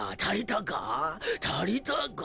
たりたか？